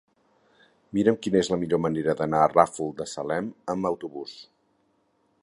Mira'm quina és la millor manera d'anar al Ràfol de Salem amb autobús.